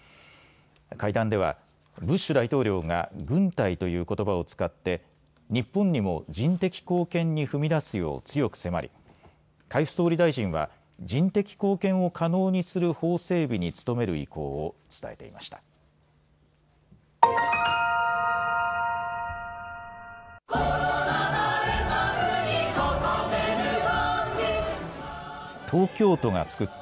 会談ではブッシュ大統領が軍隊ということばを使って日本にも人的貢献に踏み出すよう強く迫り海部総理大臣は、人的貢献を可能にする法整備に努める意向を伝えていました。